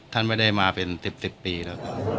ท่านไม่ได้มาเป็น๑๐ปีแล้ว